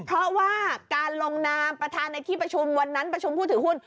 เพราะว่าการลงนามประธานในที่ประชุมวันนั้นประชุมผู้ถือหุ้น